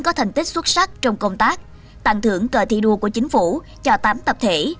có thành tích xuất sắc trong công tác tặng thưởng cờ thi đua của chính phủ cho tám tập thể